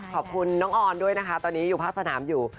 ขอบคุณน้องออนด้วยนะคะตอนนี้อยู่ภาคสนามอยู่